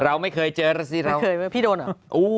เราไม่เคยเจอราศรีราวไม่เคยก็พิดวนอ่ะ